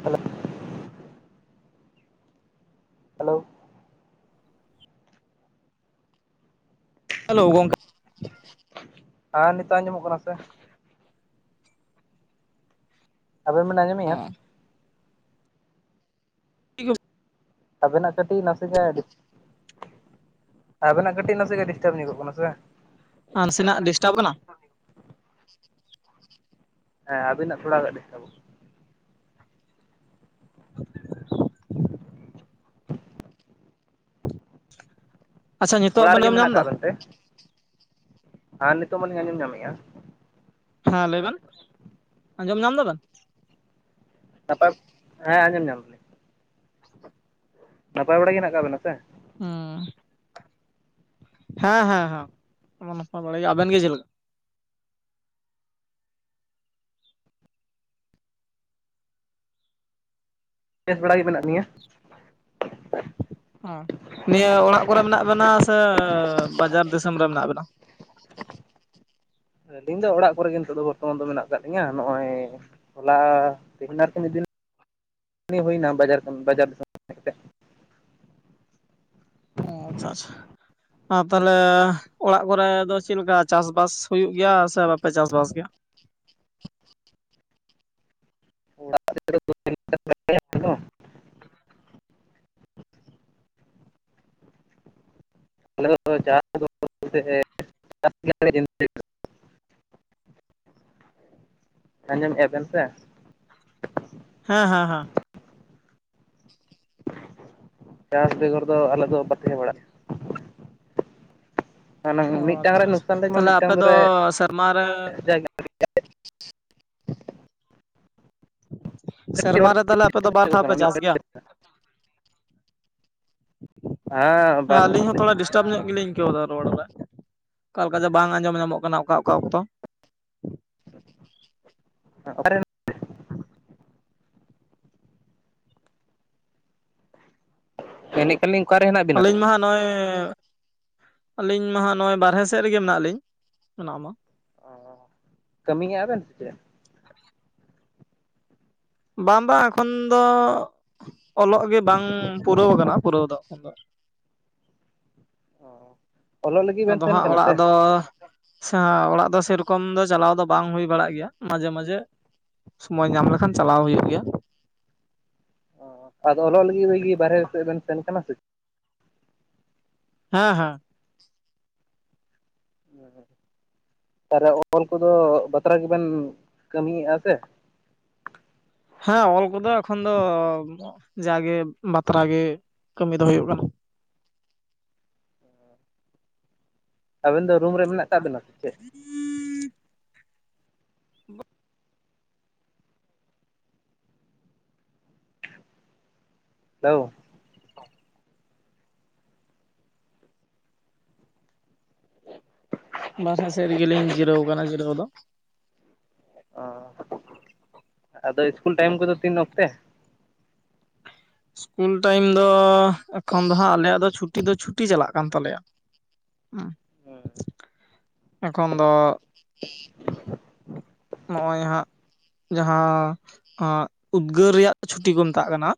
Hello. Hello. Hello ᱜᱚᱝᱠᱮ᱾ ᱟ ᱱᱤᱛᱚᱜ ᱟᱸᱡᱚᱢᱚᱜ ᱠᱟᱱᱟ ᱥᱮ? ᱟᱵᱮᱱ ᱵᱮᱱ ᱟᱹᱡᱚᱢ ᱦᱮᱸ᱾ ᱟᱵᱮᱱᱟᱜ ᱠᱟᱹᱴᱤᱡ ᱱᱟᱥᱮᱜᱟ ᱰᱤ ᱟᱵᱮᱱᱟᱜ ᱠᱟᱹᱴᱤᱡ ᱱᱟᱥᱮᱜᱮ ᱰᱤᱥᱴᱟᱵᱽ ᱧᱚᱜᱚᱜ ᱠᱟᱱᱟ ᱥᱮ᱾ ᱟᱸ ᱱᱟᱥᱮᱱᱟᱜ ᱰᱤᱥᱴᱟᱵᱽ ᱠᱟᱱᱟ᱾ ᱦᱮᱸ ᱟᱵᱤᱱᱟᱜ ᱛᱷᱚᱲᱟᱜᱟ ᱰᱤᱥᱴᱟᱵᱚᱜ [inaudible] ᱟᱪᱪᱷᱟ ᱱᱤᱛᱚᱜ ᱚᱲᱟᱜ ᱵᱮᱱ ᱨᱮᱜᱮ ᱟᱸᱡᱚᱢ ᱢᱮᱱᱟᱜ ᱧᱟᱢ ᱮᱫᱟ ᱠᱟᱜ ᱵᱮᱱ ᱛᱮ᱾ ᱦᱟᱸ ᱱᱤᱛᱚᱜ ᱢᱟᱞᱤᱧ ᱟᱸᱡᱚᱢ ᱧᱟᱢᱮᱜᱼᱟ ᱾ ᱦᱮᱸ ᱞᱟᱹᱭ ᱵᱮᱱ, ᱟᱸᱡᱚᱢ ᱧᱟᱢ ᱫᱟ ᱵᱮᱱ? ᱡᱟᱴᱟᱯ ᱦᱮᱸ ᱟᱸᱡᱚᱢ ᱧᱟᱢ ᱫᱟᱞᱤᱧ᱾ ᱱᱟᱯᱟᱭ ᱵᱟᱲᱟ ᱜᱮ ᱦᱮᱱᱟᱜ ᱠᱟᱜ ᱵᱮᱱᱟ ᱥᱮ? ᱦᱩᱸ᱾ ᱦᱮᱸ ᱦᱮᱸ ᱦᱮᱸ ᱱᱟᱯᱟᱭ ᱵᱟᱲᱟᱭ ᱜᱮ ᱟᱵᱮᱱ ᱜᱮ ᱪᱮᱞᱠᱟ? ᱵᱮᱥ ᱵᱟᱲᱟ ᱜᱮ ᱢᱮᱱᱟᱜ ᱞᱤᱧᱟᱹ᱾ ᱚ ᱱᱤᱭᱟᱹ ᱚᱲᱟᱜ ᱠᱚᱨᱮ ᱢᱮᱱᱟᱜ ᱵᱮᱱᱟ ᱥᱮ ᱵᱟᱡᱟᱨ ᱫᱤᱥᱚᱢ ᱨᱮ ᱢᱮᱱᱟᱜ ᱵᱮᱱᱟ? ᱟᱹᱞᱤᱧ ᱫᱚ ᱚᱲᱟᱜ ᱠᱚᱨᱮᱜ ᱜᱮ ᱱᱤᱛᱚᱜ ᱫᱚ ᱵᱚᱨᱛᱚᱢᱟᱱ ᱫᱚ ᱢᱮᱱᱟᱜ ᱟᱠᱟᱫ ᱞᱤᱧᱟ ᱱᱚᱜᱼᱚᱭ᱾ ᱦᱚᱞᱟ ᱛᱮᱦᱤᱸᱧ ᱟᱨ ᱠᱮ ᱢᱤᱫ ᱫᱤᱱ ᱦᱩᱭᱱᱟ ᱵᱟᱡᱟᱨ ᱠᱟᱹᱢᱤ ᱵᱟᱡᱟᱨ ᱫᱤᱥᱚᱢ ᱦᱮᱡ ᱠᱟᱛᱮ ᱚ ᱟᱪᱪᱷᱟ ᱟᱪᱪᱷᱟ ᱟᱸ ᱛᱟᱦᱚᱞᱮ ᱚᱲᱟᱜ ᱠᱚᱨᱮ ᱫᱚ ᱪᱮᱞᱠᱟ ᱪᱟᱥᱼᱵᱟᱥ ᱦᱩᱭᱩᱜ ᱜᱮᱭᱟ ᱥᱮ ᱵᱟᱯᱮ ᱪᱟᱥᱼᱵᱟᱥ ᱜᱮᱭᱟ? [unintelligible] [unintelligible] ᱟᱸᱡᱚᱢᱮᱜᱼᱟ ᱵᱮᱱ ᱥᱮ᱾ ᱦᱮᱸ ᱦᱮᱸ ᱦᱮᱸ᱾ ᱪᱟᱥ ᱵᱮᱜᱚᱨ ᱫᱚ ᱟᱞᱮ ᱫᱚ ᱚᱠᱟ ᱛᱮᱦᱮᱸ ᱵᱟᱲᱟᱜ ᱢᱟᱱᱮ ᱚ ᱢᱤᱫᱴᱟᱝ ᱟᱪᱪᱷᱟ ᱨᱮ ᱟᱪᱪᱷᱟ ᱱᱩᱠᱥᱟᱱ ᱞᱮᱱ ᱠᱷᱟᱱ ᱛᱟᱦᱚᱞᱮ ᱢᱤᱫᱴᱟᱝ ᱟᱯᱮ ᱫᱚ ᱫᱚᱨᱮ ᱥᱮᱨᱢᱟ ᱨᱮ ᱡᱟᱭᱜᱟ ᱥᱮᱨᱢᱟ ᱨᱮ ᱦᱮᱸ ᱛᱟᱦᱚᱞᱮ ᱟᱯᱮ ᱫᱚ ᱵᱟᱨ ᱫᱷᱟᱣ ᱯᱮ ᱪᱟᱥ ᱜᱮᱭᱟ? ᱦᱮᱸ ᱵᱟᱨ ᱟᱹᱞᱤᱧ ᱫᱷᱟᱣ ᱦᱚᱸ ᱛᱷᱚᱲᱟ ᱰᱤᱥ ᱴᱟᱯ ᱧᱚᱜ ᱜᱮᱞᱤᱧ ᱟᱹᱭᱠᱟᱹᱣ ᱫᱟ ᱨᱚᱲ ᱵᱟᱲᱟ, ᱠᱟ ᱞᱮᱠᱟ ᱡᱮ ᱵᱟᱝ ᱟᱸᱡᱚᱢ ᱧᱟᱢᱚᱜ ᱠᱟᱱᱟ ᱚᱠᱟ ᱚᱠᱟ ᱚᱠᱛᱚ᱾ [unintelligible] ᱯᱮᱱᱤᱠ ᱟᱹᱞᱤᱧ ᱠᱟᱨᱮ ᱦᱮᱱᱟᱜ ᱵᱤᱱᱟ? ᱟᱹᱞᱤᱧ ᱢᱟ ᱦᱟᱸᱜ ᱱᱚᱜᱼᱚᱭ ᱟᱹᱞᱤᱧ ᱢᱟ ᱦᱟᱸᱜ ᱱᱚᱜᱼᱚᱭ ᱵᱟᱨᱦᱮ ᱥᱮᱜ ᱨᱮᱜᱮ ᱢᱮᱱᱟᱜ ᱞᱤᱧ ᱚᱱᱟ ᱢᱟ᱾ ᱚ ᱠᱟᱹᱢᱤᱭᱮᱜᱼᱟ ᱵᱮᱱ ᱥᱮ ᱪᱮᱜ? ᱵᱟᱝ ᱵᱟᱝ ᱮᱠᱷᱚᱱ ᱫᱚ ᱚᱞᱚᱜ ᱜᱮ ᱵᱟᱝ ᱯᱩᱨᱟᱹᱣ ᱠᱟᱱᱟ ᱯᱩᱨᱟᱹᱣ ᱫᱚ ᱮᱠᱷᱚᱱ ᱫᱚ᱾ ᱚ᱾ ᱚᱞᱚᱜ ᱞᱟᱹᱜᱤᱫ ᱵᱮᱱ ᱟᱫᱚ ᱥᱮᱱ ᱦᱟᱸᱜ ᱠᱟᱱᱟ ᱚᱲᱟᱜ ᱥᱮ? ᱫᱚ ᱥᱟ ᱚᱲᱟᱜ ᱫᱚ ᱥᱮᱨᱚᱠᱚᱢ ᱫᱚ ᱪᱟᱞᱟᱣ ᱫᱚ ᱵᱟᱝ ᱦᱩᱭ ᱵᱟᱲᱟᱜ ᱜᱮᱭᱟ ᱢᱟᱡᱷᱮ ᱢᱟᱡᱷᱮ ᱥᱳᱢᱚᱭ ᱧᱟᱢ ᱞᱮᱠᱷᱟᱱ ᱪᱟᱞᱟᱣ ᱦᱩᱭᱩᱜ ᱜᱮᱭᱟ᱾ ᱚ ᱟᱫᱚ ᱚᱱᱟ ᱞᱟᱹᱜᱤᱫ ᱣᱤᱜᱤ ᱵᱟᱦᱮᱨᱮ ᱥᱮᱫ ᱵᱮᱱ ᱥᱮᱱ ᱠᱟᱱᱟ ᱥᱮ᱾ ᱦᱮᱸ ᱦᱮᱸ᱾ ᱛᱟᱨᱮ ᱚᱞ ᱠᱚᱫᱚ ᱵᱟᱛᱨᱟ ᱜᱮᱵᱮᱱ ᱠᱟᱹᱢᱤᱭᱮᱜᱼᱟ ᱥᱮ? ᱦᱮᱸ ᱚᱞ ᱠᱚᱫᱚ ᱮᱠᱷᱚᱱ ᱫᱚ ᱡᱟᱜᱮ ᱵᱟᱛᱨᱟ ᱜᱮ ᱠᱟᱹᱢᱤ ᱫᱚ ᱦᱩᱭᱩᱜ ᱠᱟᱱᱟ᱾ ᱟᱵᱮᱱ ᱫᱚ ᱨᱩᱢ ᱨᱮ ᱢᱮᱱᱟᱜ ᱠᱟᱜᱵᱮᱱᱟ ᱥᱮ ᱪᱮᱫ? [inaudible] [unintelligible] ᱦᱮᱞᱳ ᱵᱟᱨᱦᱮ ᱥᱮᱜ ᱨᱮᱜᱮᱞᱤᱧ ᱡᱤᱨᱟᱹᱣ ᱠᱟᱱᱟ ᱡᱤᱨᱟᱹᱣ ᱫᱚ ᱾ ᱚᱸ ᱟᱫᱚ ᱤᱥᱠᱩᱞ ᱴᱟᱭᱤᱢ ᱠᱚᱫᱚ ᱛᱤᱱ ᱚᱠᱛᱮ? ᱤᱥᱠᱩᱞ ᱴᱟᱭᱤᱢ ᱫᱚ ᱮᱠᱷᱚᱱ ᱫᱚ ᱦᱟᱸᱜ ᱟᱞᱮᱭᱟᱜ ᱫᱚ ᱦᱟᱸᱜ ᱪᱷᱩᱴᱤ ᱫᱚ ᱪᱷᱩᱴᱤ ᱪᱟᱞᱟᱜ ᱠᱟᱱ ᱛᱟᱞᱮᱭᱟ ᱾ ᱦᱩᱸ ᱮᱠᱷᱚᱱ ᱫᱚ ᱱᱚᱜᱼᱚᱭ ᱦᱟᱸᱜ ᱡᱟᱦᱟᱸ ᱟᱸᱜ ᱩᱫᱽᱜᱟᱹᱨ ᱨᱮᱭᱟᱜ ᱪᱷᱩᱴᱤ ᱠᱚ ᱢᱮᱛᱟᱜ ᱠᱟᱱᱟ,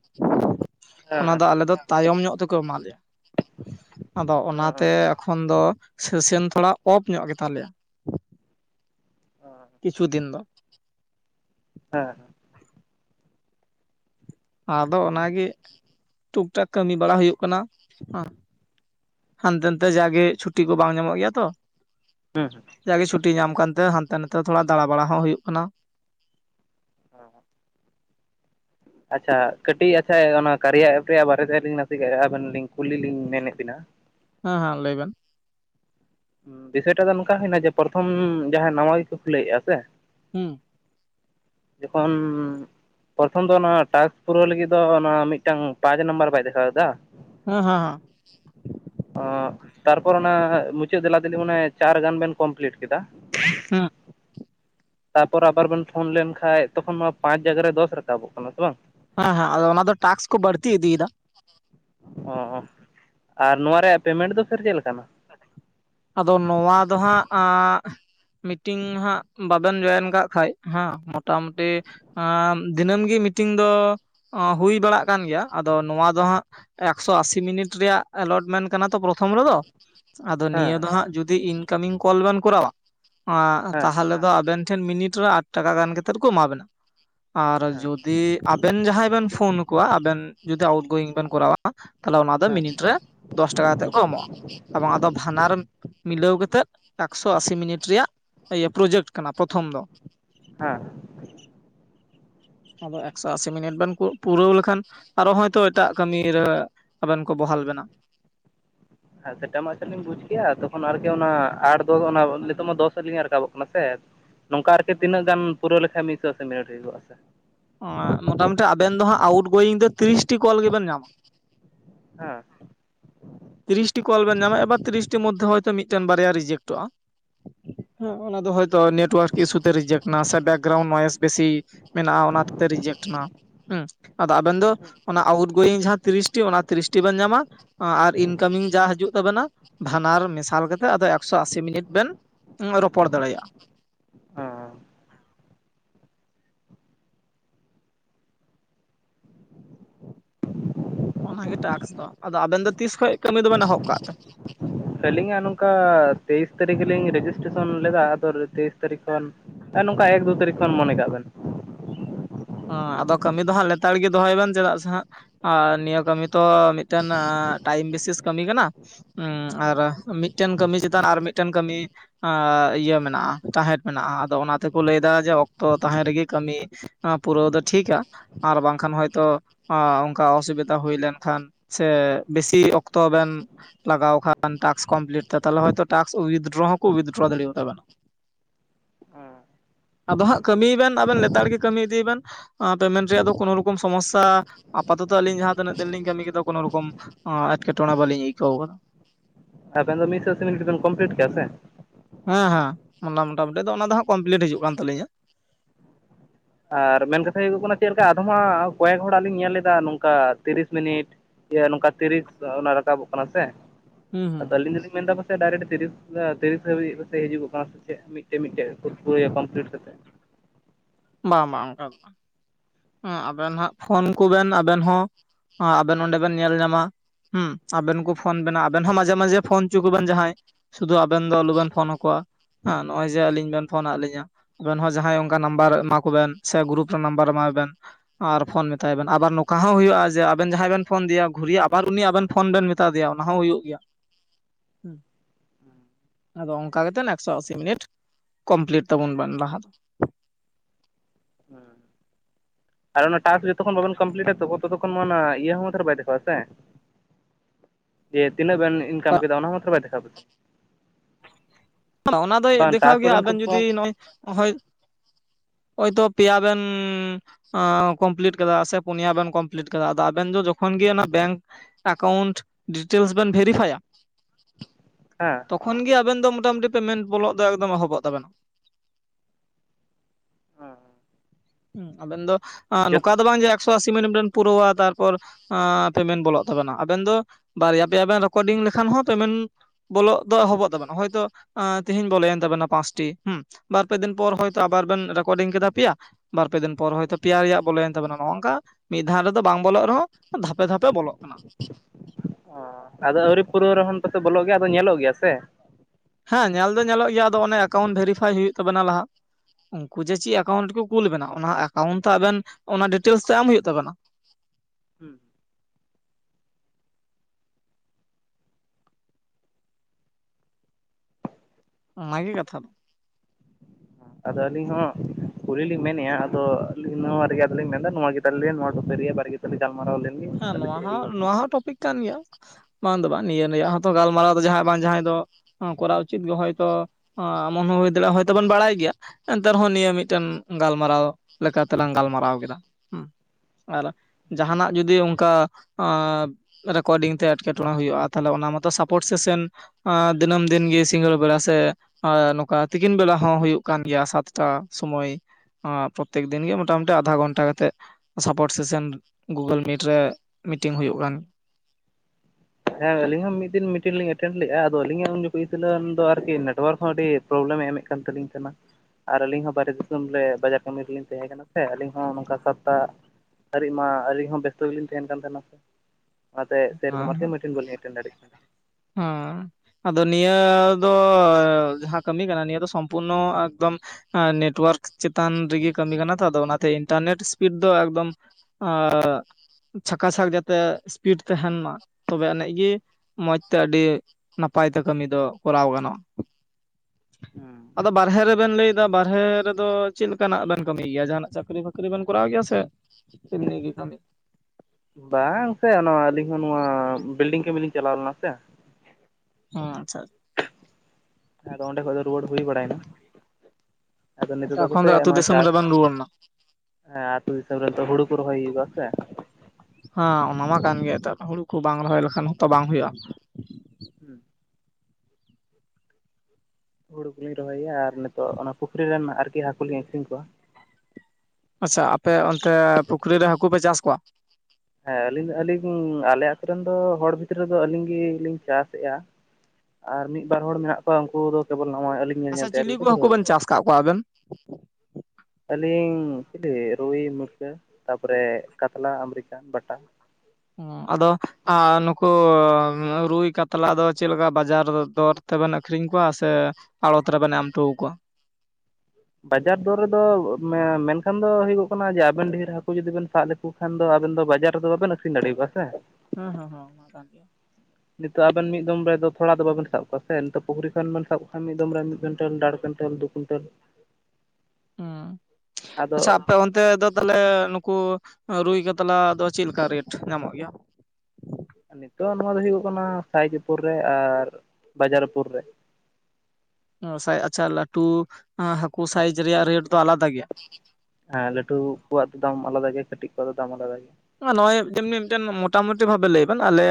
ᱦᱮᱸ ᱚᱱᱟ ᱫᱚ ᱟᱞᱮ ᱫᱚ ᱛᱟᱭᱚᱢ ᱧᱚᱜ ᱛᱮᱠᱚ ᱮᱢᱟ ᱞᱮᱭᱟ, ᱟᱫᱚ ᱚᱱᱟᱛᱮ ᱮᱠᱷᱚᱱ ᱫᱚ ᱥᱮᱥᱮᱱ ᱛᱷᱚᱲᱟ ᱚᱯᱷ ᱧᱚᱜ ᱜᱮᱛᱟᱞᱮᱭᱟ ᱾ ᱠᱤᱪᱷᱩ ᱫᱤᱱ ᱫᱚ ᱾ ᱦᱮᱸ ᱦᱮᱸ ᱟᱫᱚ ᱚᱱᱟᱜᱤ ᱴᱩᱠ ᱴᱟᱠ ᱠᱟᱹᱢᱤ ᱵᱟᱲᱟ ᱦᱩᱭᱩᱜ ᱠᱟᱱᱟ ᱦᱮᱸ, ᱦᱟᱱᱛᱮ ᱱᱟᱛᱮ ᱡᱟᱜᱮ ᱪᱷᱩᱴᱤ ᱠᱚ ᱵᱟᱝ ᱧᱟᱢᱚᱜ ᱜᱮᱭᱟ ᱛᱚ ᱾ ᱦᱩᱸ ᱦᱩᱸ ᱡᱟᱜᱮ ᱪᱷᱩᱴᱤ ᱧᱟᱢ ᱠᱟᱱᱛᱮ ᱦᱟᱱᱛᱮ ᱱᱛᱮ ᱛᱷᱚᱲᱟ ᱫᱟᱬᱟ ᱵᱟᱲᱟ ᱦᱚᱸ ᱦᱳᱭᱳᱜ ᱠᱟᱱᱟ ᱾ ᱦᱩᱸ ᱦᱩᱸ ᱟᱪᱪᱷᱟ ᱠᱟᱹᱴᱤᱡ ᱟᱪᱪᱷᱟ ᱚᱱᱟ ᱠᱟᱨᱭᱟ ᱮᱯ ᱨᱮᱭᱟᱜ ᱵᱟᱨᱮᱛᱮᱞᱤᱧ ᱱᱟᱥᱮ ᱠᱟᱜ ᱟᱵᱮᱱ ᱞᱤᱧ ᱠᱩᱞᱤ ᱞᱤᱧ ᱢᱮᱱᱮᱜ ᱵᱤᱱᱟ ᱾ ᱦᱮᱸ ᱦᱮᱸ ᱞᱟᱹᱭ ᱵᱮᱱ ᱾ ᱵᱤᱥᱚᱭᱴᱟ ᱫᱚ ᱱᱚᱝᱠᱟ ᱦᱳᱭᱱᱟ ᱡᱮ ᱯᱨᱚᱛᱷᱚᱢ ᱡᱟᱦᱟᱸᱭ ᱱᱟᱣᱟ ᱜᱮᱠᱚ ᱠᱷᱩᱞᱟᱹᱭᱮᱜᱼᱟ ᱥᱮ ᱦᱩᱸ ᱡᱚᱠᱷᱚᱱ ᱯᱨᱚᱛᱷᱚᱢ ᱫᱚ ᱱᱚᱭᱟ ᱴᱟᱥᱠ ᱯᱩᱨᱟᱹᱣ ᱞᱟᱹᱜᱤᱜ ᱫᱚ ᱚᱱᱟ ᱢᱤᱫᱴᱟᱝ ᱯᱟᱸᱪ ᱱᱟᱢᱵᱟᱨ ᱵᱟᱭ ᱫᱮᱠᱷᱟᱣ ᱫᱟ ᱦᱮᱸ ᱦᱚᱸ ᱦᱚᱸ [inaudible] ᱚᱸᱜ ᱛᱟᱨᱯᱚᱨ ᱚᱱᱟ ᱢᱩᱪᱟᱹᱫ ᱫᱮᱞᱟ ᱛᱮᱞᱤ ᱚᱱᱮ ᱪᱟᱨ ᱜᱟᱱ ᱵᱮᱱ ᱠᱚᱢᱯᱞᱤᱴ ᱠᱮᱫᱟ ᱦᱩᱸ ᱛᱟᱯᱚᱨ ᱟᱵᱟᱨ ᱵᱮᱱ ᱯᱷᱳᱱ ᱞᱮᱱᱠᱷᱟᱡ ᱛᱚᱠᱷᱚᱱ ᱢᱟ ᱯᱟᱸᱪ ᱡᱟᱜᱟ ᱨᱮ ᱫᱚᱥ ᱨᱟᱠᱟᱵᱚᱜ ᱠᱟᱱᱟ ᱥᱮ ᱵᱟᱝ ᱦᱮᱸ ᱦᱮᱸ ᱟᱫᱚ ᱚᱱᱟ ᱫᱚ ᱴᱟᱠᱥ ᱠᱚ ᱵᱟᱹᱲᱛᱤ ᱤᱫᱤᱭᱮᱫᱟ ᱾ ᱚᱸ ᱟᱨ ᱱᱚᱣᱟ ᱨᱮᱱᱟᱜ ᱯᱮᱢᱮᱱᱴ ᱫᱚ ᱯᱷᱮᱨ ᱪᱮᱜ ᱞᱮᱠᱟᱱᱟ? ᱟᱫᱚ ᱱᱚᱣᱟ ᱫᱚ ᱦᱟᱸᱜ ᱟᱸᱜ ᱢᱤᱴᱤᱝ ᱦᱟᱸᱜ ᱵᱟᱵᱮᱱ ᱡᱚᱭᱮᱱ ᱠᱟᱜ ᱠᱷᱟᱡ ᱦᱟᱸ ᱢᱚᱴᱟᱢᱩᱴᱤ ᱟᱸᱢ ᱫᱤᱱᱟᱹᱢ ᱜᱤ ᱢᱤᱴᱤᱝ ᱫᱚ ᱚᱸ ᱦᱩᱭ ᱵᱟᱲᱟᱜ ᱠᱟᱱ ᱜᱮᱭᱟ ᱟᱫᱚ ᱱᱚᱣᱟ ᱫᱚ ᱦᱟᱸᱜ ᱮᱠᱥᱚ ᱟᱥᱤ ᱢᱤᱱᱤᱴ ᱨᱮᱭᱟᱜ ᱮᱞᱚᱴᱢᱮᱱᱴ ᱠᱟᱱᱟ ᱛᱚ ᱯᱨᱚᱛᱷᱚᱢ ᱨᱮᱫᱚ ᱟᱫᱚ ᱦᱮᱸ ᱱᱤᱭᱟᱹ ᱫᱚ ᱦᱟᱸᱜ ᱡᱩᱫᱤ ᱤᱱᱠᱟᱢᱤᱝ ᱠᱚᱞ ᱵᱮᱱ ᱠᱚᱨᱟᱣᱟ ᱟᱸᱜ ᱦᱮᱸ ᱛᱟᱦᱚᱞᱮ ᱫᱚ ᱟᱵᱮᱱ ᱴᱷᱮᱱ ᱢᱤᱱᱤᱴ ᱨᱮ ᱟᱴ ᱴᱟᱠᱟ ᱜᱟᱱ ᱠᱟᱛᱮᱫ ᱠᱚ ᱮᱢᱟᱵᱮᱱᱟ ᱟᱨ ᱡᱩᱫᱤ ᱟᱵᱮᱱ ᱡᱟᱦᱟᱸᱭ ᱵᱮᱱ ᱯᱷᱳᱱ ᱟᱠᱚᱣᱟ ᱟᱵᱮᱱ ᱡᱩᱫᱤ ᱟᱣᱩᱴ ᱜᱳᱭᱤᱝ ᱵᱮᱱ ᱠᱚᱨᱟᱣᱟ [unintelligible] ᱨᱮ ᱫᱚᱥ ᱴᱟᱠᱟ ᱠᱟᱛᱮᱫ ᱦᱮᱸ ᱠᱚ ᱮᱢᱚᱜᱼᱟ ᱮᱵᱚᱝ ᱟᱫᱚ ᱵᱟᱱᱟᱨ [unintelligible] ᱢᱤᱞᱟᱹᱣ ᱠᱟᱛᱮᱫ ᱮᱠᱥᱚ ᱟᱥᱤ ᱢᱤᱱᱤᱴ ᱨᱮᱭᱟᱜ ᱤᱭᱟᱹ ᱯᱨᱚᱡᱮᱠᱴ ᱠᱟᱱᱟ ᱯᱨᱚᱛᱷᱚᱢ ᱫᱚ ᱾ ᱦᱮᱸ ᱟᱫᱚ ᱮᱠᱥᱚ ᱟᱥᱤ ᱢᱤᱱᱤᱴ ᱵᱮᱱ ᱯᱩ ᱯᱩᱨᱟᱹᱣ ᱞᱮᱠᱷᱟᱱ ᱟᱨᱚ ᱦᱚᱭᱛᱚ ᱮᱴᱟᱜ ᱠᱟᱹᱢᱤ ᱨᱮ ᱟᱵᱮᱱ ᱠᱚ ᱵᱚᱦᱟᱞ ᱵᱮᱱᱟ ᱾ ᱟᱨ ᱥᱮᱴᱟ ᱢᱟ ᱟᱪᱪᱷᱟ ᱞᱤᱧ ᱵᱩᱡᱽ ᱠᱮᱜ ᱟ ᱛᱚᱠᱷᱚᱱ ᱟᱨᱠᱤ ᱚᱱᱟ ᱟᱴ ᱫᱚ ᱚᱱᱟ ᱱᱤᱛᱚᱜ ᱢᱟ ᱫᱚᱥ ᱟᱞᱤᱧᱟ ᱨᱟᱠᱟᱵᱚᱜ ᱠᱟᱱᱟ ᱱᱟᱥᱮ ᱱᱚᱝᱠᱟ ᱟᱨᱠᱤ ᱛᱤᱱᱟᱹᱜ ᱜᱟᱱ ᱯᱩᱨᱟᱹᱣ ᱞᱮᱠᱷᱟᱡ ᱢᱤᱫᱥᱚ ᱟᱹᱥᱤ ᱢᱤᱱᱤᱴ ᱦᱩᱭᱩᱜᱚᱜᱼᱟ ᱥᱮ ᱢᱚᱴᱟᱢᱩᱴᱤ ᱟᱵᱮᱱ ᱫᱚ ᱦᱟᱸᱜ ᱟᱣᱩᱴ ᱜᱳᱭᱤᱝ ᱫᱚ ᱛᱤᱨᱤᱥᱴᱤ ᱠᱚᱞ ᱜᱮᱵᱮᱱ ᱧᱟᱢᱟ ᱾ ᱦᱮᱸ ᱛᱤᱨᱤᱥᱴᱤ ᱠᱚᱞ ᱵᱮᱱ ᱧᱟᱢᱟ ᱮᱵᱟᱨ ᱛᱤᱨᱤᱥᱴᱤ ᱢᱚᱫᱽᱫᱷᱮ ᱦᱚᱭᱛᱳ ᱢᱤᱫᱴᱮᱱ ᱵᱟᱨᱭᱟ ᱨᱤᱡᱮᱠᱴᱚᱜᱼᱟ ᱾ ᱦᱮᱸ ᱚᱱᱟ ᱫᱚ ᱦᱚᱭ ᱛᱚ ᱱᱮᱴᱳᱣᱟᱨᱠ ᱤᱥᱩ ᱛᱮ ᱨᱤᱡᱮᱠᱴ ᱱᱟ ᱥᱮ ᱵᱮᱠᱜᱨᱟᱣᱩᱱᱰ ᱱᱚᱭᱮᱥ ᱵᱮᱥᱤ ᱢᱮᱱᱟᱜᱼᱟ ᱚᱱᱟ ᱛᱮ ᱨᱤᱡᱮᱠᱴᱱᱟ ᱦᱮᱸ ᱟᱫᱚ ᱟᱵᱮᱱ ᱫᱚ ᱚᱱᱟ ᱟᱣᱩᱴ ᱜᱳᱭᱤᱝ ᱡᱟᱦᱟᱸ ᱛᱤᱨᱤᱥᱴᱤ ᱚᱱᱟ ᱛᱤᱨᱤᱥᱴᱤ ᱵᱮᱱ ᱧᱟᱢᱟ ᱟᱨ ᱤᱱᱠᱟᱢᱤᱝ ᱡᱟ ᱦᱟᱡᱩᱜ ᱛᱟᱵᱮᱱᱟ ᱵᱷᱟᱱᱟᱨ ᱢᱮᱥᱟᱞ ᱠᱟᱛᱮᱜ ᱟᱫᱚ ᱮᱠᱥᱚ ᱟᱥᱤ ᱢᱤᱱᱤᱴ ᱵᱮᱱ ᱨᱚᱯᱚᱲ ᱫᱟᱲᱮᱭᱟᱜᱼᱟ ᱦᱚᱸ ᱚᱱᱟᱜᱮ ᱴᱟᱠᱥ ᱫᱚ ᱟᱫᱚ ᱟᱵᱮᱱ ᱫᱚ ᱛᱤᱥ ᱠᱷᱚᱡ ᱠᱟᱹᱢᱤ ᱫᱚᱵᱮᱱ ᱮᱦᱚᱵ ᱠᱟᱜ ᱛᱮ ᱟᱹᱞᱤᱧᱟ ᱱᱚᱝᱠᱟ ᱛᱮᱭᱤᱥ ᱛᱟᱹᱨᱤᱠᱷ ᱞᱤᱧ ᱨᱮᱡᱤᱥ ᱴᱮᱥᱚᱱ ᱞᱮᱫᱟ ᱟᱫᱚ ᱛᱮᱭᱤᱥ ᱛᱟᱹᱨᱤᱠᱷ ᱠᱷᱚᱱ ᱱᱚᱝᱠᱟ ᱮᱠ ᱫᱩ ᱛᱟᱹᱨᱤᱠᱷ ᱠᱷᱚᱱ ᱢᱚᱱᱮ ᱠᱟᱜ ᱵᱮᱱ ᱦᱚ ᱟᱫᱚ ᱠᱟᱹᱢᱤ ᱫᱚ ᱦᱟᱸᱜ ᱞᱮᱛᱟᱲ ᱜᱮ ᱫᱚᱦᱚᱭ ᱵᱮᱱ ᱪᱮᱫᱟᱜ ᱥᱮ ᱦᱟᱸᱜ ᱟᱨ ᱱᱤᱭᱟᱹ ᱠᱟᱹᱢᱤ ᱛᱚ ᱢᱤᱫᱴᱟᱝ ᱴᱟᱭᱤᱢ ᱵᱮᱥᱤᱥ ᱠᱟᱹᱢᱤ ᱠᱟᱱᱟ ᱦᱚᱸ ᱟᱨ ᱢᱤᱫᱴᱟᱝ ᱠᱟᱹᱢᱤ ᱪᱮᱛᱟᱱ ᱟᱨ ᱢᱤᱫᱴᱟᱝ ᱠᱟᱹᱢᱤ ᱟ ᱤᱭᱟᱹ ᱢᱮᱱᱟᱜᱼᱟ ᱛᱟᱦᱮᱫ ᱢᱮᱱᱟᱜᱼᱟ ᱟᱫᱚ ᱚᱱᱟ ᱛᱮᱠᱚ ᱞᱟᱹᱭᱫᱟ ᱡᱮ ᱚᱠᱛᱚ ᱛᱟᱦᱮᱸᱱ ᱨᱮᱜᱮ ᱠᱟᱹᱢᱤ ᱱᱚᱣᱟ ᱯᱩᱨᱟᱹᱣ ᱫᱚ ᱴᱷᱤᱠᱟ ᱟᱨ ᱵᱟᱝᱠᱷᱟᱱ ᱦᱚᱭᱛᱚ ᱚᱱᱠᱟ ᱚᱥᱩᱵᱤᱫᱷᱟ ᱦᱩᱭ ᱞᱮᱱᱠᱷᱟᱱ ᱥᱮ ᱵᱮᱥᱤ ᱚᱠᱛᱚ ᱵᱮᱱ ᱞᱟᱜᱟᱣ ᱠᱷᱟᱱ ᱴᱟᱠᱥ ᱠᱚᱢᱯᱞᱤᱴ ᱛᱟᱦᱚᱞᱮ ᱦᱚ ᱛᱚ ᱴᱟᱠᱥ ᱩᱭᱰᱨᱚ ᱦᱚᱸᱠᱚ ᱩᱭᱰᱨᱚ ᱫᱟᱲᱮᱭᱟ ᱛᱟᱵᱮᱱᱟ ᱦᱩ ᱟᱫᱚ ᱦᱟᱸᱜ ᱠᱟᱹᱢᱤᱭ ᱵᱮᱱ ᱟᱵᱮᱱ ᱞᱮᱛᱟᱲ ᱜᱮ ᱠᱟᱹᱢᱤ ᱤᱫᱤ ᱵᱮᱱ ᱯᱮᱢᱮᱱᱴ ᱨᱮᱭᱟᱜ ᱫᱚ ᱠᱱᱳ ᱨᱚᱠᱚᱢ ᱥᱚᱢᱚᱥᱥᱟ ᱟᱯᱟᱛᱚᱛᱚ ᱟᱹᱞᱤᱧ ᱡᱟᱦᱟᱸ ᱛᱤᱱᱟᱹᱜ ᱫᱤᱱ ᱞᱤᱧ ᱠᱟᱹᱢᱤ ᱠᱮᱫᱟ ᱠᱳᱱᱳ ᱨᱚᱠᱚᱢ ᱮᱴᱠᱮᱴᱚᱬᱮ ᱵᱟᱟᱹᱞᱤᱧ ᱟᱹᱭᱠᱟᱹᱣ ᱟᱠᱟᱫᱟ ᱟᱵᱤᱱ ᱫᱚ ᱢᱤᱫᱽ ᱥᱟᱭᱛᱮ ᱵᱤᱱ ᱠᱚᱢᱯᱞᱤᱴ ᱠᱮᱫᱟ ᱥᱮ ᱦᱮᱸ ᱦᱮᱸ ᱚᱱᱟ ᱢᱚᱴᱟᱢᱩᱴᱤ ᱫᱚ ᱚᱱᱟ ᱫᱚ ᱦᱟᱸᱜ ᱠᱚᱢᱯᱞᱤᱴ ᱦᱤᱡᱩᱜ ᱠᱟᱱ ᱛᱟᱹᱞᱤᱧᱟ ᱟᱨ ᱢᱮᱱ ᱠᱟᱛᱷᱟ ᱦᱩᱭᱩᱜ ᱠᱟᱱᱟ ᱪᱮᱫ ᱞᱮᱠᱟ ᱟᱫᱷᱚᱢ ᱦᱟᱜ ᱠᱚᱭᱮᱠ ᱦᱚᱲᱟᱜ ᱞᱤᱧ ᱧᱮᱞ ᱞᱮᱫᱟ ᱱᱚᱝᱠᱟ ᱛᱤᱨᱤᱥ ᱢᱤᱱᱤᱴ ᱤᱭᱟᱹ ᱱᱚᱝᱠᱟ ᱛᱤᱨᱤᱥ ᱚᱱᱟ ᱨᱟᱠᱟᱵᱚᱜ ᱠᱟᱱᱟ ᱥᱮ ᱦᱩᱸ ᱦᱩᱸ ᱟᱫᱚ ᱟᱹᱞᱤᱧ ᱫᱚᱞᱤᱧ ᱢᱮᱱᱫᱟ ᱰᱟᱭᱨᱮᱴ ᱛᱤᱨᱤᱥ ᱛᱤᱨᱤᱥ ᱨᱮ ᱦᱩᱭᱩᱜ ᱠᱟᱛᱮ ᱦᱤᱡᱩᱜᱚᱜ ᱠᱟᱱᱟ ᱥᱮ ᱪᱮᱫ ᱢᱤᱫᱴᱟᱝ ᱢᱤᱫᱴᱟᱝ ᱠᱚᱢᱯᱞᱤᱴ ᱠᱟᱛᱮᱫ ᱵᱟᱝ ᱵᱟᱝ ᱚᱱᱠᱟ ᱫᱚ ᱵᱟᱝ ᱟᱵᱮᱱ ᱦᱱᱟᱜ ᱯᱷᱳᱱ ᱠᱚᱵᱮᱱ ᱟᱵᱮᱱ ᱦᱚᱸ ᱟᱵᱮᱱ ᱚᱸᱰᱮ ᱵᱮᱱ ᱧᱮᱞ ᱧᱟᱢᱟ ᱦᱩᱸ ᱟᱵᱮᱱ ᱠᱚ ᱯᱷᱳᱱ ᱵᱮᱱᱟ ᱟᱵᱮᱱ ᱦᱚᱸ ᱢᱟᱡᱷᱮ ᱢᱟᱡᱷᱮ ᱯᱷᱱ ᱦᱚᱪᱚ ᱠᱚᱵᱮᱱ ᱡᱟᱦᱟᱸᱭ ᱥᱩᱫᱷᱩ ᱟᱵᱮᱱ ᱫᱚ ᱟᱞᱚᱵᱮᱱ ᱯᱷᱳᱱ ᱟᱠᱚᱣᱟ ᱦᱮᱸ ᱱᱚᱜ ᱚᱚᱭ ᱡᱮ ᱟᱞᱤᱧ ᱵᱮᱱ ᱯᱷᱳᱱᱟᱫ ᱞᱤᱧᱟᱹ ᱟᱵᱮᱱ ᱦᱚᱸ ᱡᱟᱦᱟᱸᱭ ᱚᱱᱠᱟ ᱱᱟᱢᱵᱟᱨ ᱮᱢᱟ ᱠᱚᱵᱮᱱ ᱥᱮ ᱜᱨᱩᱨᱩᱯ ᱨᱮ ᱱᱟᱢᱵᱟᱨ ᱮᱢᱟᱭ ᱵᱮᱱ ᱟᱨ ᱯᱷᱳᱱ ᱢᱮᱛᱟᱭ ᱵᱮᱱ ᱟᱵᱟᱨ ᱱᱚᱝᱠᱟ ᱦᱚᱸ ᱦᱩᱭᱩᱜᱼᱟ ᱡᱮ ᱟᱵᱮᱱ ᱡᱟᱦᱟᱸᱭ ᱵᱮᱱ ᱯᱷᱳᱱᱫᱮᱭᱟ ᱜᱷᱩᱨᱤᱭᱟ ᱟᱵᱟᱨ ᱩᱱᱤ ᱟᱵᱮᱱ ᱯᱷᱳᱱ ᱵᱮᱱ ᱢᱮ ᱢᱮᱛᱟ ᱫᱮᱭᱟ ᱚᱱᱟ ᱦᱚᱸ ᱦᱩᱭᱩᱜ ᱜᱮᱭᱟ ᱦᱚᱸ ᱟᱫᱚ ᱚᱱᱠᱟ ᱠᱟᱛᱮ ᱮᱠᱥᱚ ᱟᱥᱤ ᱢᱤᱱᱤᱴ ᱠᱚᱢᱯᱞᱤᱴ ᱛᱟᱵᱚᱱ ᱵᱮᱱ ᱞᱟᱦᱟ ᱫᱚ ᱦᱚᱸ ᱟᱨ ᱚᱱᱟ ᱴᱟᱥ ᱡᱚᱛᱚ ᱠᱷᱚᱱ ᱵᱟᱵᱮᱱ ᱠᱚᱢᱯᱤᱴᱟ ᱛᱚᱛᱚᱠᱷᱚᱱ ᱚᱱᱟ ᱤᱭᱟᱹ ᱦᱚᱸ ᱢᱟᱫᱷᱮᱨᱮ ᱵᱟᱭ ᱫᱮᱠᱷᱟᱣᱟ ᱥᱮ ᱫᱤᱭᱮ ᱛᱤᱱᱟᱹᱜ ᱵᱮᱱ ᱤᱱᱠᱟᱢ ᱠᱮᱫᱟ ᱚᱱᱟ ᱦᱚᱸ ᱢᱟᱛᱨᱚ ᱵᱟᱭ ᱫᱮᱠᱟᱷᱟᱣ ᱠᱮᱫᱟ ᱚᱱᱟ ᱫᱚᱭ ᱵᱟᱝ ᱫᱮᱠᱷᱟᱣ ᱴᱟᱥᱠ ᱜᱮᱭᱟ ᱵᱟᱵᱮᱱ ᱟᱵᱮᱱ ᱡᱩᱫᱤ ᱠᱚᱢᱯᱞᱤᱴ ᱱᱚᱜᱼᱚᱭ ᱦᱳᱭ ᱳᱭᱛᱚ ᱯᱮᱭᱟ ᱵᱮᱱ ᱦᱚᱸ ᱠᱚᱢᱯᱤᱞᱤᱴ ᱟᱠᱟᱫᱟ ᱥᱮ ᱯᱩᱱᱭᱟ ᱵᱮᱱ ᱠᱚᱢᱯᱤᱞᱤᱴ ᱠᱟᱫᱟ ᱟᱫᱚ ᱟᱵᱮᱱ ᱫᱚ ᱡᱚᱠᱷᱚᱱ ᱜᱮ ᱚᱱᱟ ᱵᱮᱝᱠ ᱮᱠᱟᱣᱩᱱᱴ ᱰᱤᱴᱮᱞᱥ ᱵᱮᱱ ᱵᱷᱮᱨᱤᱯᱷᱟᱭᱟ ᱦᱮᱸ ᱠᱷᱚᱱ ᱜᱮ ᱟᱵᱮᱱ ᱫᱚ ᱢᱚᱴᱟᱢᱩᱴᱤ ᱯᱮᱢᱮᱱᱴ ᱵᱚᱞᱚᱜ ᱫᱚ ᱮᱠᱫᱚᱢ ᱮᱦᱚᱵᱚᱜ ᱛᱟᱵᱮᱱᱟ ᱦᱮᱸ ᱦᱚᱸ ᱟᱵᱮᱱ ᱫᱚ ᱱᱚᱝᱠᱟ ᱫᱚ ᱵᱟᱝ ᱡᱮ ᱮᱠᱥᱚ ᱟᱥᱤ ᱢᱤᱱᱤᱱ ᱵᱮᱱ ᱯᱩᱨᱟᱹᱣᱟ ᱛᱟᱨᱯᱚᱨ ᱯᱮᱢᱮᱱᱴ ᱵᱚᱞᱚᱜ ᱛᱟᱵᱮᱱᱟ ᱟᱵᱮᱱ ᱫᱚ ᱵᱟᱨᱭᱟ ᱯᱮᱭᱟ ᱵᱮᱱ ᱨᱮᱠᱚᱨᱰᱤᱝ ᱞᱮᱠᱷᱟᱱ ᱦᱚᱸ ᱯᱮᱢᱮᱱᱴ ᱵᱚᱞᱚᱜ ᱫᱚ ᱮᱦᱚᱵᱚᱜ ᱛᱟᱵᱮᱱᱟ ᱦᱳᱭᱛᱚ ᱛᱮᱦᱮᱧ ᱵᱚᱞᱚᱭᱮᱱ ᱛᱟᱵᱮᱱᱟ ᱯᱟᱸᱪᱴᱤ ᱦᱚᱸ ᱵᱟᱨ ᱯᱮ ᱫᱤᱱ ᱯᱚᱨ ᱦᱚᱭᱛᱳ ᱟᱵᱟᱨ ᱵᱮᱱ ᱨᱮᱠᱚᱰᱤᱝ ᱠᱮᱫᱟ ᱯᱮᱭᱟ ᱵᱟᱨ ᱯᱮ ᱫᱤᱱ ᱯᱚᱨ ᱦᱚᱭᱛᱚ ᱯᱮᱭᱟ ᱨᱮᱭᱟᱜ ᱵᱚᱞᱚᱭᱮᱱ ᱱᱚᱜ ᱱᱚᱝᱠᱟ ᱢᱤᱫ ᱫᱷᱟᱣ ᱨᱮᱫᱚ ᱵᱟᱝ ᱵᱚᱞᱚᱜ ᱨᱮᱦᱚᱸ ᱫᱷᱟᱯᱮ ᱫᱷᱟᱯᱮ ᱵᱚᱞᱚᱜ ᱠᱟᱱᱟ ᱚ ᱟᱫᱚ ᱟᱹᱣᱨᱤ ᱯᱩᱨᱟᱹᱣ ᱨᱮᱦᱚᱸ ᱚᱱᱛᱚᱛᱚ ᱵᱚᱞᱚᱜ ᱜᱮᱭᱟ ᱟᱫᱚ ᱧᱮᱞᱚᱜ ᱜᱮᱭᱟ ᱥᱮ ᱦᱮᱸ ᱧᱮᱞ ᱫᱚ ᱧᱮᱞᱚᱜ ᱜᱮᱭᱟ ᱟᱫᱚ ᱚᱱᱮ ᱮᱠᱟᱣᱩᱱᱴ ᱵᱷᱮᱨᱤᱯᱷᱟᱭ ᱦᱩᱭᱩᱜ ᱛᱟᱵᱚᱱᱟ ᱞᱟᱦᱟᱜ ᱩᱱᱠᱩ ᱡᱮ ᱪᱮᱫ ᱮᱠᱟᱣᱩᱱᱴ ᱨᱮᱠᱚ ᱠᱩᱞ ᱵᱮᱱᱟ ᱚᱱᱟ ᱮᱠᱟᱣᱩᱱᱴ ᱛᱚ ᱟᱵᱮᱱ ᱚᱱᱟ ᱰᱤᱴᱮᱞᱥ ᱛᱚ ᱮᱢ ᱦᱳᱭᱳᱜ ᱛᱟᱵᱮᱱᱟ ᱦᱩᱸ ᱚᱱᱟᱜᱮ ᱠᱟᱛᱷᱟ ᱫᱚ ᱟᱫᱚ ᱟᱹᱞᱤᱧ ᱦᱚᱸ ᱠᱩᱞᱤ ᱞᱤᱧ ᱢᱮᱱᱮᱫᱼᱟ ᱟᱫᱚ ᱟᱹᱞᱤᱧ ᱱᱚᱣᱟ ᱨᱮᱜᱮ ᱟᱫᱚᱞᱤᱧ ᱢᱮᱱᱫᱟ ᱱᱚᱣᱟ ᱜᱮᱛᱟᱞᱮ ᱱᱚᱣᱟ ᱫᱚᱩᱯᱟᱹᱨᱭᱟ ᱵᱟᱨᱮᱜᱮ ᱠᱷᱟᱹᱞᱤ ᱜᱟᱢᱟᱨᱟᱣ ᱞᱮᱱ ᱦᱮᱸ ᱱᱚᱣᱟ ᱦᱚᱸ ᱱᱚᱣᱟ ᱦᱚᱸ ᱴᱚᱯᱤᱠ ᱠᱟᱱ ᱜᱮᱭᱟ᱾ ᱵᱟᱝ ᱫᱚ ᱵᱟᱝ ᱱᱤᱭᱟᱹ ᱨᱮᱭᱟᱜ ᱦᱚᱸᱛᱚ ᱜᱟᱞᱢᱟᱨᱟᱣ ᱫᱚ ᱡᱟᱦᱟᱸ ᱵᱟᱝ ᱡᱟᱦᱟᱸᱭ ᱫᱚ ᱠᱚᱨᱟᱣ ᱩᱪᱤᱛ ᱜᱮ ᱦᱭᱛᱳ ᱮᱢᱚᱱ ᱦᱚᱸ ᱦᱩᱭ ᱫᱟᱲᱭᱟᱜᱼᱟ ᱦᱭᱛᱚ ᱵᱚᱱ ᱵᱟᱲᱟᱭ ᱜᱮᱭᱟ᱾ ᱮᱱᱛᱮ ᱨᱮᱦᱚᱸ ᱱᱤᱭᱟᱹ ᱢᱤᱫᱴᱮᱱ ᱜᱟᱞᱢᱟᱨᱟᱣ ᱞᱮᱠᱟ ᱛᱮᱞᱟᱝ ᱜᱟᱞᱢᱟᱨᱟᱣ ᱠᱮᱫᱟ ᱦᱮᱸ᱾ ᱟᱨ ᱠᱟᱱᱟ ᱦᱩᱸ ᱡᱟᱦᱟᱱᱟᱜ ᱡᱩᱫᱤ ᱚᱱᱠᱟ ᱨᱮᱠᱚᱨᱰᱤᱝ ᱛᱮ ᱮᱴᱠᱮᱴᱚᱬᱮ ᱦᱩᱭᱩᱜᱼᱟ ᱛᱟᱦᱚᱞᱮ ᱚᱱᱟ ᱢᱟᱚᱛ ᱥᱟᱯᱳᱨᱴ ᱥᱮᱥᱮᱱ ᱟ ᱫᱤᱱᱟᱹᱢ ᱫᱤᱱ ᱜᱮ ᱥᱝᱜᱟᱹᱲ ᱵᱮᱲᱟ ᱥᱮ ᱟᱨ ᱱᱚᱝᱠᱟ ᱛᱤᱠᱤᱱ ᱵᱮᱲᱟ ᱦᱚᱸ ᱦᱩᱭᱩᱜ ᱠᱟᱱ ᱜᱮᱭᱟ ᱥᱟᱛᱴᱟ ᱥᱚᱢᱚᱭ ᱯᱨᱚᱛᱛᱮᱠ ᱫᱤᱱ ᱜᱮ ᱢᱚᱴᱟᱢᱩᱴᱤ ᱟᱫᱷᱟ ᱜᱷᱚᱱᱴᱟ ᱠᱟᱛᱮᱜ ᱥᱟᱯᱳᱴ ᱥᱮᱥᱚᱱ ᱜᱩᱜᱩᱞ ᱢᱤᱴ ᱨᱮ ᱢᱤᱴᱤᱝ ᱦᱩᱭᱩᱜ ᱠᱟᱱ ᱦᱮᱸ ᱟᱹᱞᱤᱧ ᱦᱚᱸ ᱢᱤᱫ ᱫᱤᱱ ᱢᱤᱴᱤᱝ ᱞᱤᱧ ᱮᱴᱮᱱᱰ ᱞᱮᱜᱼᱟ ᱟᱫᱚ ᱟᱹᱞᱤᱧᱟᱜ ᱩᱱ ᱡᱚᱠᱷᱚᱱ ᱛᱤᱞᱟᱹᱱ ᱫᱚ ᱟᱨᱠᱤ ᱱᱮᱴᱣᱟᱨᱠ ᱦᱚᱸ ᱟᱹᱰᱤ ᱯᱨᱚᱵᱞᱮᱢᱮ ᱮᱢᱮᱫ ᱠᱟᱱ ᱛᱟᱹᱞᱤᱧᱟ ᱛᱟᱦᱮᱱᱟ ᱟᱨ ᱟᱹᱞᱤᱧ ᱦᱚᱸ ᱵᱟᱦᱨᱮ ᱫᱤᱥᱚᱢ ᱨᱮ ᱵᱟᱡᱟᱨ ᱠᱟᱹᱢᱤ ᱨᱮᱞᱤᱧ ᱛᱟᱦᱮᱸ ᱠᱟᱱᱟ ᱥᱮ ᱟᱹᱞᱤᱧ ᱦᱚᱸ ᱱᱚᱝᱠᱟ ᱥᱟᱛ ᱴᱟ ᱠᱷᱟᱲᱤᱡ ᱢᱟ ᱟᱹᱞᱤᱧ ᱦᱚᱸ ᱵᱮᱥᱛᱚ ᱜᱮᱞᱤᱧ ᱛᱟᱦᱮᱱ ᱠᱟᱱ ᱛᱟᱦᱮᱱᱟ ᱥᱮ ᱚᱱᱟᱛᱮ ᱜᱮᱭᱟ᱾ ᱥᱮᱨᱚᱠᱚᱢ ᱟᱨᱠᱤ ᱢᱤᱫᱴᱤᱱ ᱵᱟᱹᱞᱤᱧ ᱮᱴᱮᱱ ᱫᱟᱲᱮᱭ ᱠᱟᱱ ᱦᱮᱸ ᱟᱫᱚ ᱱᱤᱭᱟᱹ ᱫᱚ ᱡᱟᱦᱟᱸ ᱠᱟᱹᱢᱤ ᱠᱟᱱᱟ ᱱᱤᱭᱟᱹ ᱫᱚ ᱥᱚᱢᱯᱩᱨᱱᱚ ᱮᱠᱫᱚᱢ ᱱᱮᱴᱣᱟᱨᱠ ᱪᱮᱛᱟᱱ ᱨᱮᱜᱮ ᱠᱟᱹᱢᱤ ᱠᱟᱱᱟ ᱛᱚ ᱟᱫᱚ ᱚᱱᱟᱛᱮ ᱤᱱᱴᱟᱨᱱᱮᱴ ᱥᱯᱤᱰ ᱫᱚ ᱮᱠᱫᱚᱢ ᱮᱸ ᱪᱷᱟᱠᱟᱪᱷᱟᱠ ᱡᱟᱛᱮ ᱤᱥᱯᱤᱰ ᱛᱟᱦᱮᱱ ᱢᱟ ᱛᱚᱵᱮ ᱟᱹᱱᱤᱡ ᱜᱮ ᱢᱚᱸᱡᱽᱛᱮ ᱟᱹᱰᱤ ᱱᱟᱯᱟᱭ ᱛᱮ ᱠᱟᱹᱢᱤ ᱫᱚ ᱠᱚᱨᱟᱣ ᱜᱟᱱᱚᱜ ᱟ᱾ ᱦᱩᱸ ᱟᱫᱚ ᱵᱟᱨᱦᱮ ᱨᱮᱵᱮᱱ ᱞᱟᱹᱭ ᱮᱫᱟ ᱵᱟᱨᱦᱮ ᱨᱮᱫᱚ ᱪᱮᱫ ᱞᱮᱠᱟᱱᱟᱜ ᱵᱮᱱ ᱠᱟᱹᱢᱤ ᱜᱮᱭᱟ ᱡᱟᱦᱟᱱᱟᱜ ᱪᱟᱹᱠᱨᱤ ᱵᱟᱹᱠᱨᱤ ᱵᱮᱱ ᱠᱚᱨᱟᱣ ᱜᱮᱭᱟ ᱥᱮ ᱮᱢᱱᱤ ᱜᱮ ᱠᱟᱢᱤ ᱵᱟᱝ ᱥᱮ ᱱᱚᱣᱟ ᱟᱹᱞᱤᱧ ᱦᱚᱸ ᱱᱚᱣᱟ ᱵᱤᱞᱰᱤᱝ ᱠᱟᱹᱢᱤ ᱞᱤᱧ ᱪᱟᱞᱟᱣ ᱞᱮᱱᱟ ᱥᱮ ᱦᱩᱸ ᱟᱪᱪᱷᱟ ᱟᱫᱚ ᱚᱸᱰᱮ ᱠᱷᱚᱡ ᱫᱚ ᱨᱩᱣᱟᱹᱲ ᱦᱩᱭ ᱵᱟᱲᱟᱭᱮᱱᱟ ᱟᱫᱚ ᱱᱤᱛᱚᱜ ᱟᱪᱪᱷᱟ, ᱫᱚ ᱮᱠᱷᱚᱱ ᱯᱟᱥᱮ ᱟᱹᱛᱩ ᱱᱚᱣᱟ ᱫᱤᱥᱚᱢ ᱪᱟᱥ ᱨᱮᱵᱮᱱ ᱨᱩᱣᱟᱹᱲ ᱮᱱᱟ ᱮᱸ ᱟᱛᱩ ᱫᱤᱥᱚᱢ ᱨᱮ ᱱᱤᱛᱚᱜ ᱦᱩᱲᱩ ᱠᱚ ᱨᱚᱦᱚᱭ ᱦᱩᱭᱩᱜ-ᱟ ᱥᱮ᱾ ᱦᱮᱸ ᱚᱱᱟ ᱢᱟ ᱠᱟᱱ ᱜᱮᱭᱟ ᱦᱩᱲᱩ ᱠᱚ ᱵᱟᱝ ᱨᱚᱦᱚᱭ ᱞᱮᱠᱷᱟᱱ ᱦᱚᱸᱛᱚ ᱵᱟᱝ ᱦᱩᱭᱩᱜᱼᱟ᱾ ᱦᱩᱸ ᱦᱩᱲᱩ ᱠᱚᱞᱤᱧ ᱨᱚᱦᱚᱭᱮᱭᱟ ᱟᱨ ᱱᱤᱛᱚᱜ ᱚᱱᱟ ᱯᱩᱠᱷᱨᱤ ᱨᱮᱱ ᱟᱨᱠᱤ ᱦᱟᱹᱠᱩ ᱞᱤᱧ ᱟᱠᱷᱨᱤᱧ ᱠᱚᱣᱟ᱾ ᱟᱪᱪᱷᱟ ᱟᱯᱮ ᱚᱱᱛᱮ ᱯᱩᱠᱷᱨᱤ ᱨᱮ ᱦᱟᱠᱩ ᱯᱮ ᱪᱟᱥ ᱠᱚᱣᱟ᱾ ᱦᱮᱸ ᱟᱹᱞᱤᱧ ᱟᱹᱞᱤᱧ ᱟᱞᱮ ᱟᱛᱳ ᱨᱮᱱ ᱫᱚ ᱦᱚᱲ ᱵᱷᱤᱛᱨᱤ ᱫᱚ ᱟᱹᱞᱤᱧ ᱜᱮᱞᱤᱧ ᱪᱟᱥᱮᱫᱼᱟ᱾ ᱟᱨ ᱢᱤᱫ ᱵᱟᱨ ᱦᱚᱲ ᱢᱮᱱᱟᱜ ᱠᱚᱣᱟ ᱩᱱᱠᱩ ᱫᱚ ᱠᱮᱵᱚᱞ ᱱᱟᱣᱟ ᱟᱹᱞᱤᱧ ᱧᱮᱞ ᱟᱪᱪᱷᱟ ᱧᱮᱞ ᱛᱮ ᱪᱤᱞᱤ ᱟᱨᱠᱤ ᱠᱚ ᱦᱟᱹᱠᱩ ᱫᱷᱩᱨᱟᱹᱣ ᱵᱮᱱ ᱠᱟᱱᱟ᱾ ᱪᱟᱥ ᱠᱟᱜ ᱠᱚᱣᱟ ᱟᱵᱮᱱ ᱟᱹᱞᱤᱧ ᱪᱤᱞᱤ ᱨᱩᱭ ᱢᱩᱨᱠᱟᱹ ᱛᱟᱯᱚᱨᱮ ᱠᱟᱛᱞᱟ ᱟᱢᱨᱤᱠᱟᱱ ᱵᱟᱴᱟ ᱚᱸ ᱟᱫᱚ ᱱᱩᱠᱩ ᱨᱩᱭ ᱠᱟᱛᱞᱟ ᱫᱚ ᱪᱮᱫ ᱞᱮᱠᱟ ᱵᱟᱡᱟᱨ ᱫᱚᱨ ᱛᱮᱵᱮᱱ ᱟᱹᱠᱷᱨᱤᱧ ᱠᱚᱣᱟ ᱥᱮ ᱟᱲᱚᱛ ᱨᱮᱵᱮᱱ ᱮᱢ ᱩᱴᱩᱣ ᱠᱚᱣᱟ ᱵᱟᱡᱟᱨ ᱫᱚᱨ ᱨᱮᱫᱚ ᱢᱮᱱᱠᱷᱟᱱ ᱫᱚ ᱦᱩᱭᱩᱜᱚᱜ ᱠᱟᱱᱟ ᱡᱮ ᱟᱵᱮᱱ ᱰᱷᱮᱨ ᱦᱟᱹᱠᱩ ᱡᱩᱫᱤ ᱵᱮᱱ ᱥᱟᱵ ᱞᱮᱠᱚ ᱠᱷᱟᱱ ᱫᱚ ᱟᱵᱮᱱ ᱫᱚ ᱵᱟᱡᱟᱨ ᱨᱮᱫᱚ ᱵᱟᱵᱮᱱ ᱟᱹᱠᱷᱨᱤᱧ ᱫᱟᱲᱮᱭᱟᱣᱟ ᱥᱮ ᱦᱮᱸ ᱦᱩᱸ ᱦᱮᱸ ᱚᱱᱟᱢᱟ ᱠᱟᱱᱜᱮ ᱱᱤᱛᱚᱜ ᱟᱵᱮᱱ ᱢᱤᱫ ᱫᱚᱢ ᱨᱮᱫᱚ ᱛᱷᱚᱲᱟ ᱫᱚ ᱵᱟᱵᱮᱱ ᱥᱟᱵ ᱠᱚᱣᱟ ᱥᱮ ᱱᱤᱛᱚᱜ ᱯᱩᱠᱷᱨᱤ ᱠᱷᱚᱱ ᱵᱮᱱ ᱥᱟᱵ ᱠᱚ ᱠᱷᱟᱱ ᱢᱤᱫ ᱫᱚᱢ ᱨᱮ ᱢᱤᱫᱴᱚᱱᱴᱟᱞ ᱰᱮᱲ ᱠᱱᱴᱟᱞ ᱫᱩ ᱫᱩ ᱠᱩᱱᱴᱮᱞ ᱦᱩᱸ ᱟᱪᱪᱷᱟ ᱟᱯᱮ ᱚᱱᱛᱮ ᱫᱚ ᱛᱟᱦᱚᱞᱮ ᱱᱩᱠᱩ ᱨᱩᱭ ᱠᱟᱛᱞᱟ ᱫᱚ ᱪᱮᱫ ᱞᱮᱠᱟ ᱨᱮᱴ ᱧᱟᱢᱚᱜ ᱜᱮᱭᱟ? ᱱᱤᱛᱚᱜ ᱱᱚᱣᱟ ᱫᱚ ᱦᱩᱭᱩᱜ ᱠᱟᱱᱟ ᱥᱟᱭᱤᱡ ᱩᱯᱩᱨ ᱨᱮ ᱟᱨ ᱵᱟᱡᱟᱨ ᱩᱯᱚᱨ ᱨᱮ᱾ ᱥᱟᱭ ᱟᱪᱪᱷᱟ ᱞᱟᱹᱴᱩ ᱦᱟᱹᱠᱩ ᱥᱟᱭᱤᱡᱽ ᱨᱮᱭᱟᱜ ᱨᱮᱴ ᱫᱚ ᱟᱞᱟᱫᱟ ᱜᱮᱭᱟ ᱦᱮᱸ ᱞᱟᱹᱴᱩ ᱠᱚᱣᱟᱜ ᱫᱚ ᱫᱟᱢ ᱟᱞᱟᱫᱟ ᱜᱮᱭᱟ ᱠᱟᱹᱴᱤᱡ ᱠᱚᱣᱟᱜ ᱫᱚ ᱫᱟᱢ ᱟᱞᱟᱫᱟ ᱜᱮᱭᱟ᱾ ᱱᱚᱜᱼᱚᱭ ᱡᱮᱢᱱᱤ ᱢᱤᱫᱴᱮᱱ ᱢᱚᱴᱟᱢᱩᱴᱤ ᱵᱷᱟᱵᱮ ᱞᱟᱹᱭ ᱵᱮᱱ ᱟᱞᱮ